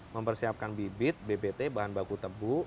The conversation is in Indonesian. mempersiapkan bibit bbt bahan baku tebu